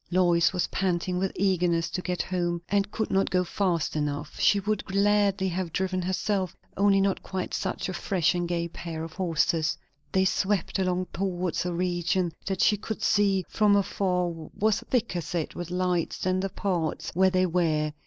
Lois was panting with eagerness to get home, and could not go fast enough; she would gladly have driven herself, only not quite such a fresh and gay pair of horses. They swept along towards a region that she could see from afar was thicker set with lights than the parts where they were.